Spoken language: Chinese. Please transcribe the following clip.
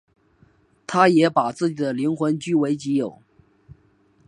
他也把她的灵魂据为己有。